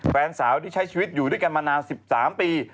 แฟนสาวที่ใช้ชีวิตอยู่ด้วยกันมานาน๑๓ปี